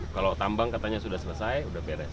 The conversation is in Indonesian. kalau tambang katanya sudah selesai sudah beres